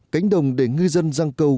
cánh đồng để ngư dân giang câu